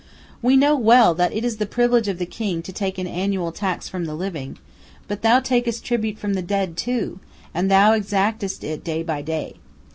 We know well that it is the privilege of the king to take an annual tax from the living. But thou takest tribute from the dead, too, and thou exactest it day by day.